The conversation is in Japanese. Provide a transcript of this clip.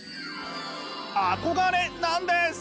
「憧れ」なんです。